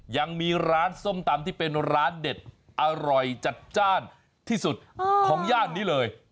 ยังมีร้านส้มตำที่เป็นร้านเด็ดอร่อยจัดจ้านที่สุดของย่านนี้เลย